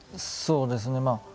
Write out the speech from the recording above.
そうですね。